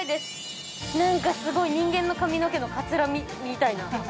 何かすごい人間の髪の毛のカツラみたいな。